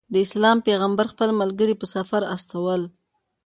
د اسلام پیغمبر خپل ملګري په سفر استول.